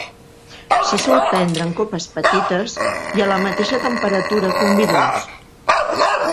Se sol prendre en copes petites i a la mateixa temperatura que un vi dolç.